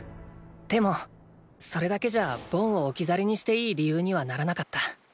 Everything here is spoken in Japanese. でもそれだけじゃボンを置き去りにしていい理由にはならなかった。